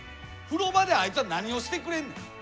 風呂場であいつは何をしてくれんねん？